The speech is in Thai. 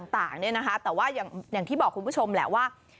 ต่างเนี่ยนะคะแต่ว่าอย่างที่บอกคุณผู้ชมแหละว่า